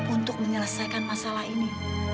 untuk menyelesaikan masalah ini